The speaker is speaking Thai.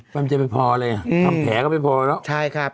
ปัญญาไปพอเลยอ่ะอืมทำแผลก็ไปพอแล้วใช่ครับ